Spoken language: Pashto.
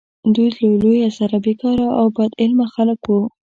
دوی له لویه سره بیکاره او بد عمله خلک وه.